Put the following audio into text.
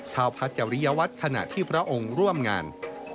พระพัจริยวัตรขณะที่พระองค์ร่วมงาน